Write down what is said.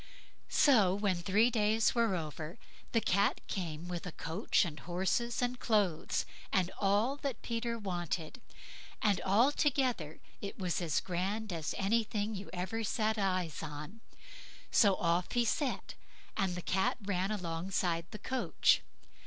So when three days were over, the Cat came with a coach and horses, and clothes, and all that Peter wanted, and altogether it was as grand as anything you ever set eyes on; so off he set, and the Cat ran alongside the coach.